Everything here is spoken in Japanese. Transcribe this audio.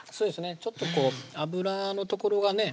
ちょっと脂のところがね